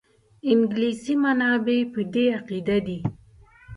انګلیسي منابع په دې عقیده دي.